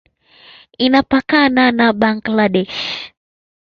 Inapakana na Bangladesh.